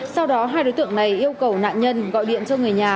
sau đó hai đối tượng này yêu cầu nạn nhân gọi điện cho người nhà